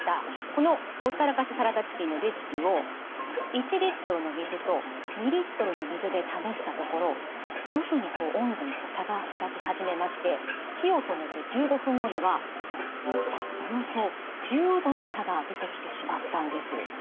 このほったらかしサラダチキンのレシピを１リットルの水と２リットルの水で試したところ徐々に温度に差が開き始めまして火を止めて１５分後にはおよそ１０℃の差が出てきてしまったんです。